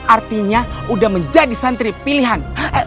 artinya udah menjadi santri pilihan